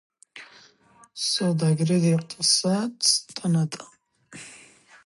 سوداګر د اقتصاد ستني دي.